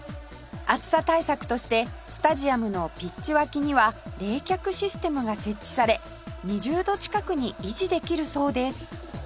暑さ対策としてスタジアムのピッチ脇には冷却システムが設置され２０度近くに維持できるそうです